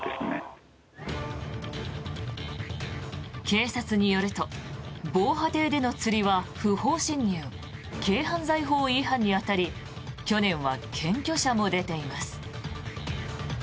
警察によると防波堤での釣りは、不法侵入軽犯罪法違反に当たり去年は検挙者も出ています。